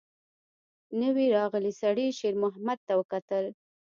نوي راغلي سړي شېرمحمد ته وکتل.